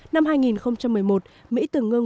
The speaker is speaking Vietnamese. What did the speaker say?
năm hai nghìn một mươi một mỹ từng ngưng